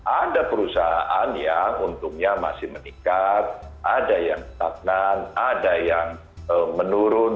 ada perusahaan yang untungnya masih meningkat ada yang stagnan ada yang menurun